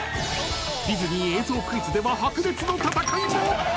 ディズニー映像クイズでは白熱の戦いも。